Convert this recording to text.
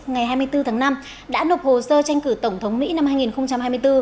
ngày hai mươi bốn tháng năm đã nộp hồ sơ tranh cử tổng thống mỹ năm hai nghìn hai mươi bốn